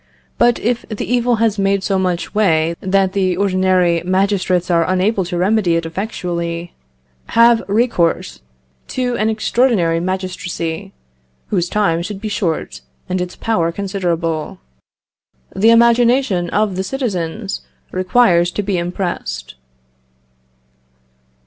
But if the evil has made so much way that the ordinary magistrates are unable to remedy it effectually, have recourse to an extraordinary magistracy, whose time should be short, and its power considerable. The imagination of the citizens requires to be impressed."